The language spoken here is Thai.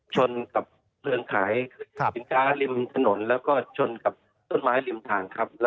ชนกับเรือนขายสินค้าริมถนนแล้วก็ชนกับต้นไม้ริมทางครับ